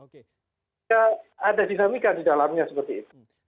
tidak ada dinamika di dalamnya seperti itu